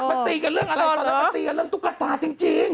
มันตีกันเรื่องอะไรตอนนั้นมันตีกันเรื่องตุ๊กตาจริง